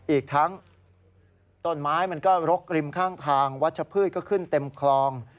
อีกทั้งต้นไม้มันก็รกริมข้างทางวัชพืชก็ขึ้นเต็มคลอง